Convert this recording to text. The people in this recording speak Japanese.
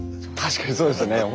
確かにそうですよね。